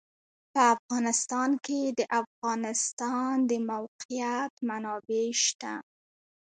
په افغانستان کې د د افغانستان د موقعیت منابع شته.